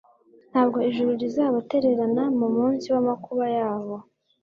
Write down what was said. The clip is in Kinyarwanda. Ntabwo ijuru rizabatererana mu munsi wamakuba yabo